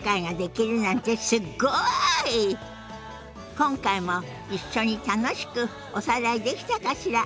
今回も一緒に楽しくおさらいできたかしら？